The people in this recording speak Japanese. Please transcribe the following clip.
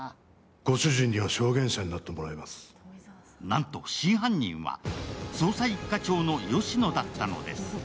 なんと真犯人は捜査一課長の吉乃だったのです。